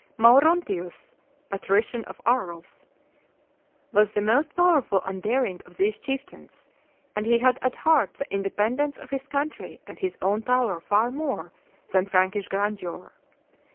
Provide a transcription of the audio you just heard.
Maurontius, patrician of Arles, was the most powerful and daring of these chieftains; and he had at heart the independence of his country and his own power far more than Frankish grandeur.